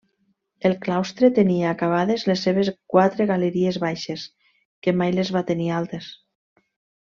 El claustre tenia acabades les seves quatre galeries baixes, que mai les va tenir altes.